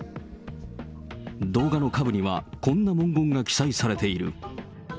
動画の下部には、こんな文言が記載されている。